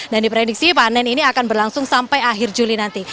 dan diprediksi panen ini akan berlangsung sampai akhir juli nanti